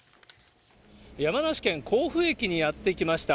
山梨県、甲府駅にやって来ました。